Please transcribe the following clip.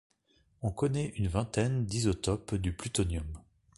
On connaît une vingtaine d'isotopes du plutonium.